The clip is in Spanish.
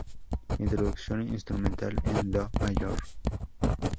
Introducción instrumental en Do mayor.